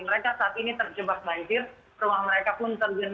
mereka saat ini terjebak banjir rumah mereka pun tergenang